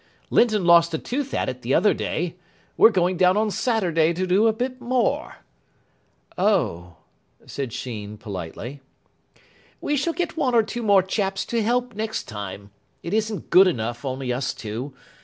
Linton lost a tooth at it the other day. We're going down on Saturday to do a bit more." "Oh!" said Sheen, politely. "We shall get one or two more chaps to help next time. It isn't good enough, only us two.